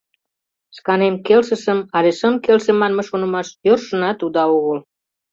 Шканем келшышым але шым келше манме шонымаш йӧршынат уда огыл.